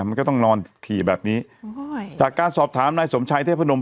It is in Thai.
มันก็ต้องนอนขี่แบบนี้จากการสอบถามนายสมชัยเทพนม